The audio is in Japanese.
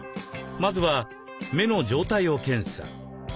まずは目の状態を検査。